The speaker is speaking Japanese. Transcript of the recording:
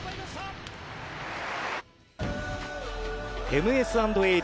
ＭＳ＆ＡＤ